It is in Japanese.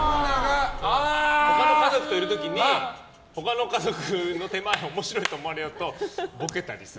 他の家族といる時に他の家族の手前面白いと思われようとボケたりする。